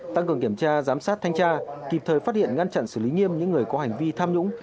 tăng cường kiểm tra giám sát thanh tra kịp thời phát hiện ngăn chặn xử lý nghiêm những người có hành vi tham nhũng